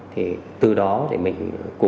thì từ đó để mình